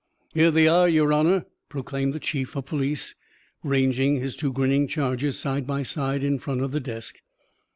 "Here they are, Your Honour!" proclaimed the chief of police, ranging his two grinning charges side by side in front of the desk.